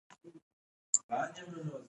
موبایل د بریښنا له لارې چارجېږي.